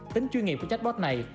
tính chuyên nghiệp của chatbot này